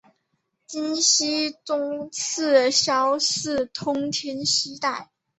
金熙宗赐萧肄通天犀带。